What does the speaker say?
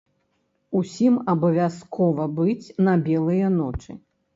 Усім абавязкова быць на белыя ночы!